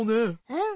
うん。